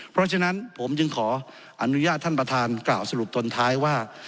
เพราะฉะนั้นผมจึงขออนุญาตท่านประธานกล่าวสรุปตนท้ายว่า